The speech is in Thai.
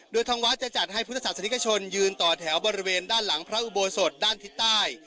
โดยทางวัดจะจัดให้พุทธศาสนิกชนยืนต่อแถวบริเวณด้านหลังพระอุโบสถด้านทิศใต้